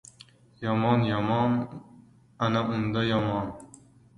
Yomon-yomon, ana unda yomon!